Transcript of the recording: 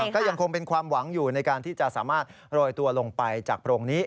ก็ยังคงเป็นความหวังอยู่ในการที่จะสามารถโรยตัวลงไปจากโพรงนี้